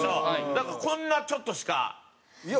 だからこんなちょっとしか。